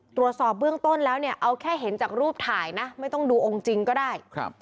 ตรวจสอบเบื้องต้นแล้วเนี่ยเอาแค่เห็นจากรูปถ่ายนะไม่ต้องดูองค์จริงก็ได้